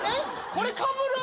これかぶる？